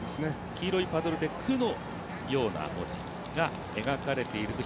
黄色いパドルで、「ク」のような文字が描かれていると。